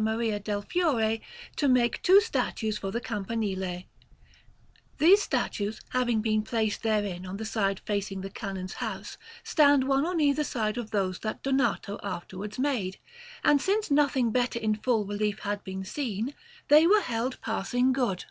Maria del Fiore to make two statues for the Campanile; these statues, having been placed therein on the side facing the Canon's house, stand one on either side of those that Donato afterwards made; and since nothing better in full relief had been seen, they were held passing good.